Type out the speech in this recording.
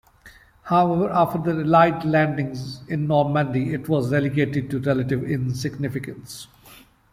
However, after the Allied landings in Normandy it was relegated to relative insignificance.